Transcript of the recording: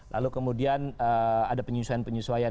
lalu kemudian ada penyesuaian penyesuaian